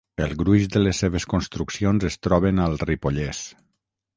El gruix de les seves construccions es troben al Ripollès.